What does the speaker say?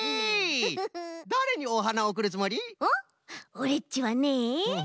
オレっちはね